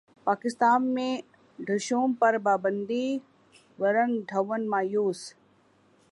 پاکستان میں ڈھشوم پر پابندی ورن دھون مایوس